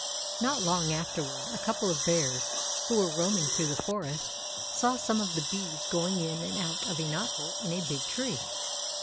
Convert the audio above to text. Not long afterward a couple of bears, who were roaming through the forest, saw some of the bees going in and out of a knothole in a big tree.